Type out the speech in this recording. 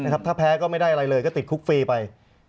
ถ้าแพ้ก็ไม่ได้อะไรเลยก็ติดคุกฟรีไป